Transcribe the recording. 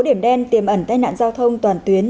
điểm đen tiềm ẩn tai nạn giao thông toàn tuyến